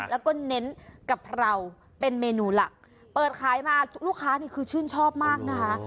แล้วก็เน้นกะเพราเป็นเมนูหลักเปิดขายมาลูกค้านี่คือชื่นชอบมากนะคะ